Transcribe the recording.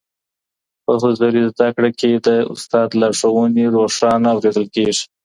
په حضوري زده کړه کي د استاد لارښووني روښانه اورېدل کيږي.